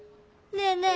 ねえねえ